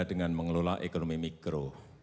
dengan mengelola ekonomi mikro